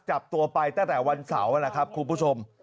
จับตัวไปตั้งแต่วันเสาร์นะครับคุณผู้ชม